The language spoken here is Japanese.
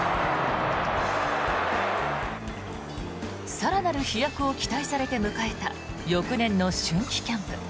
更なる飛躍を期待されて迎えた翌年の春季キャンプ。